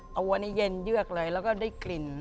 ตัวนี้เย็นเยือกเลยแล้วก็ได้กลิ่น